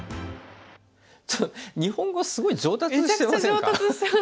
日本語すごい上達してませんか。